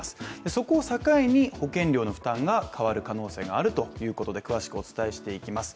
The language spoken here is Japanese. そこを境に保険料の負担が変わる可能性があるということで詳しくお伝えしていきます。